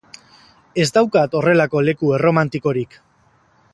Ez daukat horrelako leku erromantikorik.